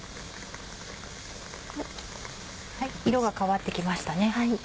色が変わって来ましたね。